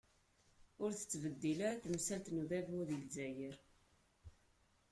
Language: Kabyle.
Ur tettbeddil ara temsalt n udabu di Zzayer.